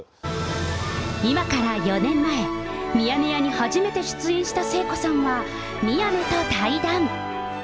今から４年前、ミヤネ屋に初めて出演した聖子さんは宮根と対談。